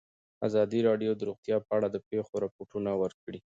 ازادي راډیو د روغتیا په اړه د پېښو رپوټونه ورکړي.